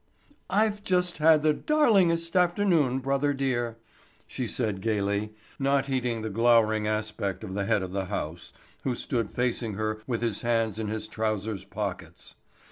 "I've just had the darlingest afternoon, brother dear," she said gayly, not heeding the glowering aspect of the head of the house, who stood facing her with his hands in his trousers pockets.